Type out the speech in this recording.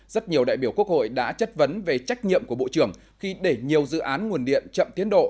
rất nhiều đại biểu quốc hội đã chất vấn về trách nhiệm của bộ trưởng khi để nhiều dự án nguồn điện chậm tiến độ